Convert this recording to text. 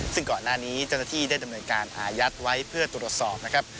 ซึ่งก่อนหน้านี้เจ้าหน้าที่ได้ดำเนินการอายัดไว้เพื่อตรวจสอบนะครับ